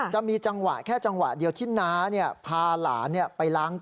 จะมีจังหวะแค่จังหวะเดียวที่น้าพาหลานไปล้าง